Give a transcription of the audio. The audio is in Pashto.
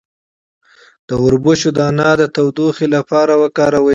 د وربشو دانه د تودوخې لپاره وکاروئ